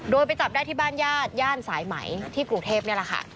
โดยไปจับได้ที่บ้านญาติย่านสายไหมที่กรุงเทพนี่แหละค่ะ